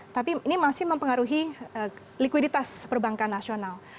tapi ini masih mempengaruhi likuiditas perbankan nasional